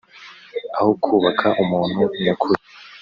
aho kubaka umuntu nyakuri